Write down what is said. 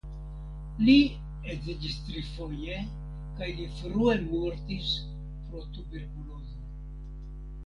Li edziĝis trifoje kaj li frue mortis pro tuberkulozo.